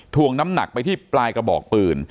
วงน้ำหนักไปที่ปลายกระบอกปืน